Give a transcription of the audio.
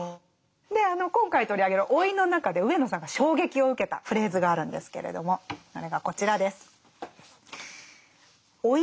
であの今回取り上げる「老い」の中で上野さんが衝撃を受けたフレーズがあるんですけれどもそれがこちらです。